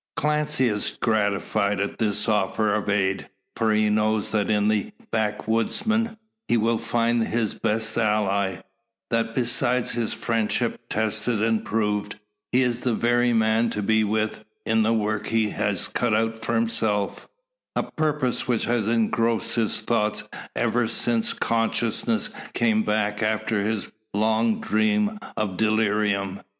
Clancy is gratified at this offer of aid. For he knows that in the backwoodsman he will find his best ally; that besides his friendship tested and proved, he is the very man to be with him in the work he has cut out for himself a purpose which has engrossed his thoughts ever since consciousness came back after his long dream of delirium.